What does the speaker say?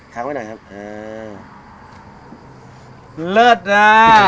ข้างไว้หน่อยครับอ่าเลิศน่ะ